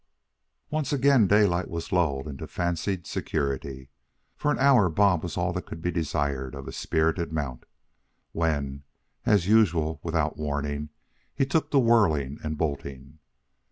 Once again Daylight was lulled into fancied security. For an hour Bob was all that could be desired of a spirited mount, when, and as usual without warning, he took to whirling and bolting.